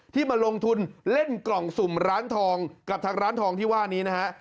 มาลงทุนเล่นกล่องสุ่มร้านทองกับทางร้านทองที่ว่านี้นะฮะ